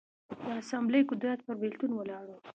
د اسامبلې قدرت پر بېلتون ولاړ و.